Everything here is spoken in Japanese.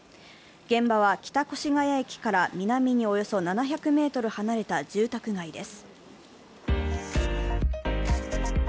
現場は北越谷駅から南におよそ７００ｍ離れた住宅街です。